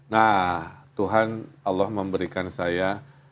nah tuhan allah memberikan saya